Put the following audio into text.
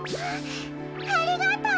ありがとう！